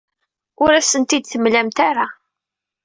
Ur as-tent-id-temlamt ara.